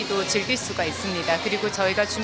kami juga menyiapkan